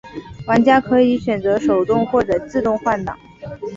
玩家可以选择手动或者自动换挡。